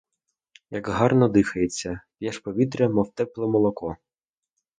Як гарно дихається — п'єш повітря, мов тепле молоко.